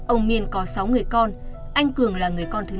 ông miên có sáu người con anh cường là người con thứ hai